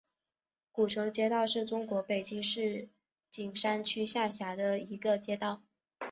古城街道是中国北京市石景山区下辖的一个街道。